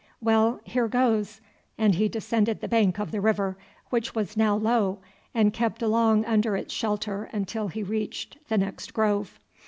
Well, here goes!" and he descended the bank of the river, which was now low, and kept along under its shelter until he reached the next grove.